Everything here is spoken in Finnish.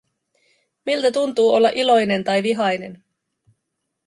Miltä tuntuu olla iloinen tai vihainen?